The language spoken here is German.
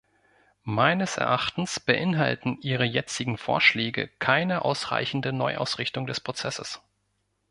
Meines Erachtens beinhalten ihre jetzigen Vorschläge keine ausreichende Neuausrichtung des Prozesses.